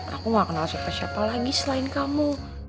aku gak kenal siapa siapa lagi selain kamu